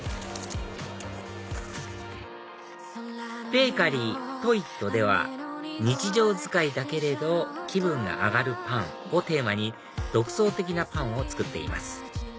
Ｂａｋｅｒｙトイットでは「日常使いだけれど気分が上がるパン」をテーマに独創的なパンを作っています